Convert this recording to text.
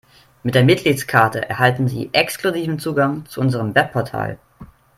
Mit der Mitgliedskarte erhalten Sie exklusiven Zugang zu unserem Webportal.